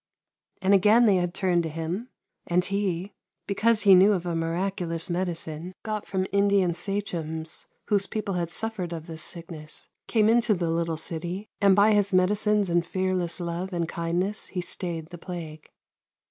And again they had turned to him, and he, because he knew of a miraculous medicine got from Indian sachems, whose people had suffered of this sickness, came into the little city, and by his medicines and fearless love and kindness he stayed the plague.